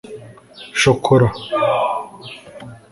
shokola